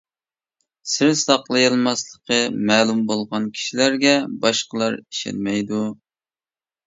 سىر ساقلىيالماسلىقى مەلۇم بولغان كىشىلەرگە باشقىلار ئىشەنمەيدۇ.